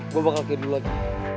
gue bakal kayak dulu lagi